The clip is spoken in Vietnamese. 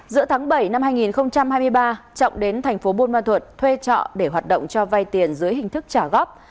giữa tháng bảy năm hai nghìn hai mươi ba trọng đến tp buôn ma thuật thuê trọ để hoạt động cho vay tiền dưới hình thức trả góp